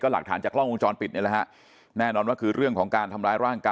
หลักฐานจากกล้องวงจรปิดนี่แหละฮะแน่นอนว่าคือเรื่องของการทำร้ายร่างกาย